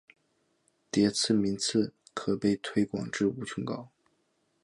迭代幂次可被推广至无穷高。